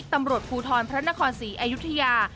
ตำรวจภูทรพระนครศรีอยุธยา